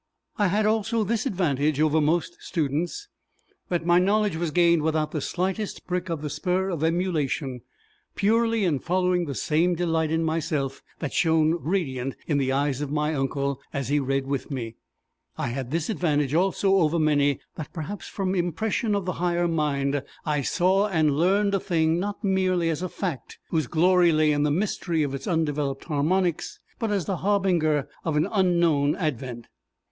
I had also this advantage over most students, that my knowledge was gained without the slightest prick of the spur of emulation purely in following the same delight in myself that shone radiant in the eyes of my uncle as he read with me. I had this advantage also over many, that, perhaps from impression of the higher mind, I saw and learned a thing not merely as a fact whose glory lay in the mystery of its undeveloped harmonics, but as the harbinger of an unknown advent.